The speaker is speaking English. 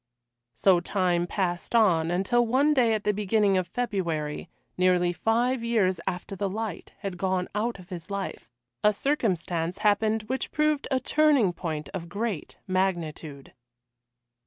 So time passed on, until one day at the beginning of February, nearly five years after the light had gone out of his life, a circumstance happened which proved a turning point of great magnitude.